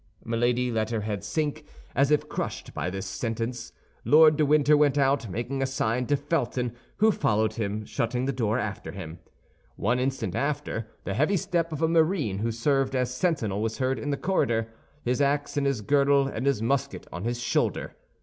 Milady let her head sink, as if crushed by this sentence. Lord de Winter went out, making a sign to Felton, who followed him, shutting the door after him. One instant after, the heavy step of a marine who served as sentinel was heard in the corridor—his ax in his girdle and his musket on his shoulder.